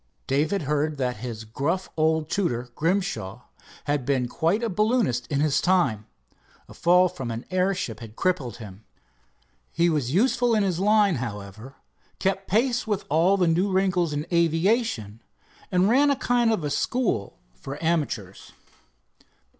Dave had heard that his gruff old tutor, Grimshaw, had been quite a balloonist in his time. A fall from an airship had crippled him. He was useful in his line, however, kept pace with all the new wrinkles in aviation, and ran a kind of school for amateurs.